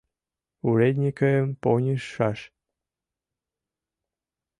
— Уредньыкым поньыжшаш!